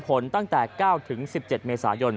จำนวนนักท่องเที่ยวที่เดินทางมาพักผ่อนเพิ่มขึ้นในปีนี้